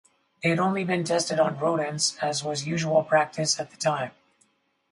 They had only been tested on rodents, as was usual practice at the time.